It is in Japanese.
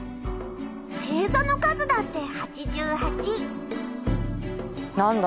星座の数だって八十八。